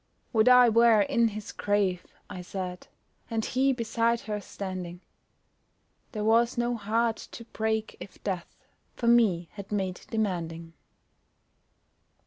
"Would I were in his grave," I said, "And he beside her standing!" There was no heart to break if death For me had made demanding.